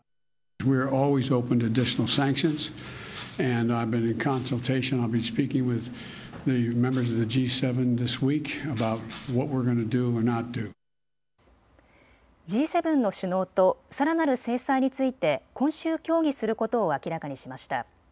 Ｇ７の首脳とさらなる制裁について今週、協議することを明らかにしました。